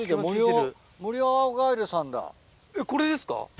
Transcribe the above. えっこれですか？